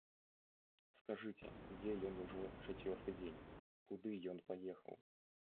Скажыце, дзе ён ужо чацвёрты дзень, куды ён паехаў?